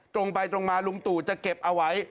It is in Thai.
ตรงไปตรงมาลุงตู่จะเก็บเอาไว้